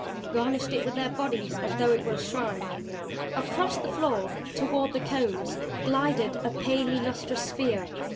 Garnished it with their bodies as though it were a shrine. Across the floor toward the Cones glided a palely lustrous sphere.